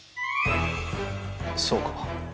そうか。